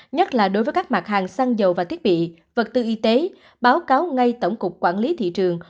nhất là đối với các mặt hàng xăng dầu và thiết bị vật tư y tế báo cáo ngay tổng cục quản lý thị trường